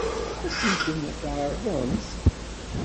Ad sent-ten-tɛeṛḍemt?